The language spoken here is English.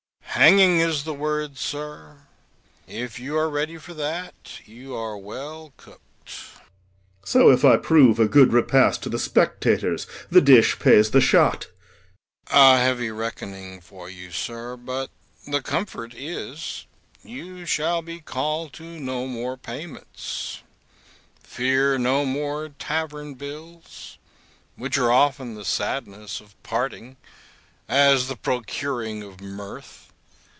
Hanging is the word, sir; if you be ready for that, you are well cook'd. POSTHUMUS. So, if I prove a good repast to the spectators, the dish pays the shot. GAOLER. A heavy reckoning for you, sir. But the comfort is, you shall be called to no more payments, fear no more tavern bills, which are often the sadness of parting, as the procuring of mirth.